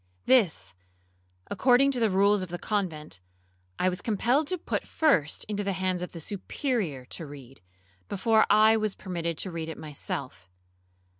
This, according to the rules of the convent, I was compelled to put first into the hands of the Superior to read, before I was permitted to read it myself.